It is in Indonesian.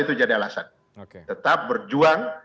itu jadi alasan tetap berjuang